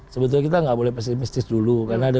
sebetulnya kita nggak boleh pesimistis dulu karena ada